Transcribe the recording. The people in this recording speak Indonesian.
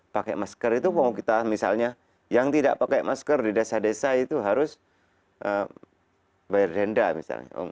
pakai masker itu kalau kita misalnya yang tidak pakai masker di desa desa itu harus bayar denda misalnya